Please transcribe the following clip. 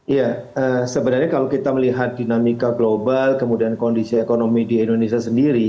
iya sebenarnya kalau kita melihat dinamika global kemudian kondisi ekonomi di indonesia sendiri